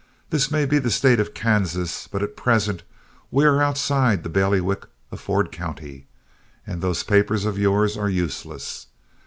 "This may be the state of Kansas, but at present we are outside the bailiwick of Ford County, and those papers of yours are useless.